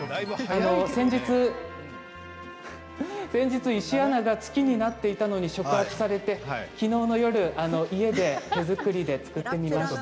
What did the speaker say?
先日、石井アナが月になっていたのに触発されてきのうの夜家で手作りで作りました。